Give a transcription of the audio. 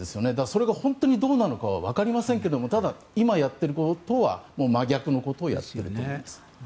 それが本当にどうなのかは分かりませんけれどもただ、今やっていることとは真逆のことをやっていると思います。